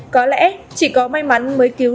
có lẽ chỉ có may mắn mới cứu